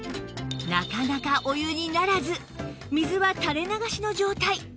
なかなかお湯にならず水は垂れ流しの状態